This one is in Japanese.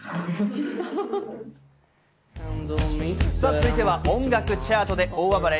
続いては音楽チャートで大暴れ。